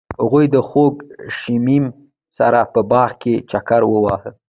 هغوی د خوږ شمیم سره په باغ کې چکر وواهه.